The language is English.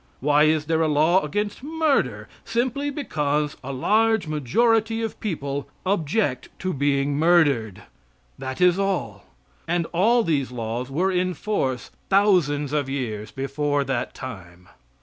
Why is there a law against murder? Simply because a large majority of people object to being murdered. That is all. And all these laws were in force thousands of years before that time.